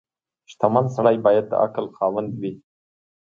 • شتمن سړی باید د عقل خاوند وي.